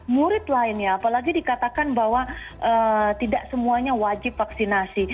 murid lainnya apalagi dikatakan bahwa tidak semuanya wajib vaksinasi